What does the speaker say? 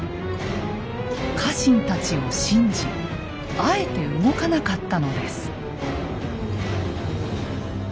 家臣たちを信じあえて動かなかったのです。